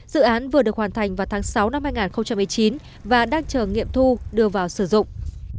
dự án vừa được hoàn thành vào tháng sáu năm hai nghìn một mươi chín và đang chờ nghiệm thu đưa vào sử dụng